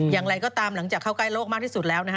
อย่างไรก็ตามหลังจากเข้าใกล้โลกมากที่สุดแล้วนะฮะ